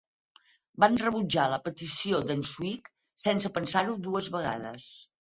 Van rebutjar la petició d"en Swig sense pensar-ho dues vegades.